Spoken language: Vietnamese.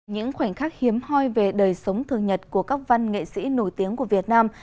những khoảnh khắc hiếm hoi về đời sống thường nhật của các văn nghệ sĩ nổi tiếng của việt nam